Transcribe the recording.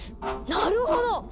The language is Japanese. なるほど！